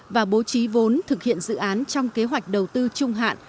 và bố trí vốn thực hiện dự án trong kế hoạch đầu tư trung hạn